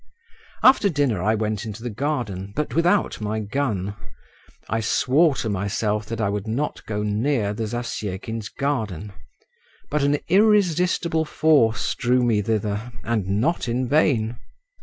After dinner I went into the garden, but without my gun. I swore to myself that I would not go near the Zasyekins' garden, but an irresistible force drew me thither, and not in vain.